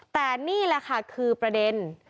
แต่นี่แหละค่ะคือประเด็น